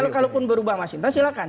enggak kalaupun berubah mas hinton silahkan